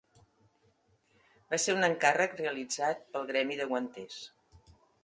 Va ser un encàrrec realitzat pel gremi de guanters.